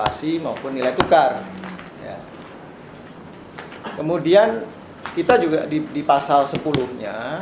tapi itu tidak terbatas pada instrumen instrumen nya di undang undang diy dua puluh tiga itu ikut membangunnya